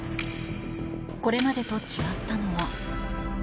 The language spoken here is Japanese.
これまでと違ったのは。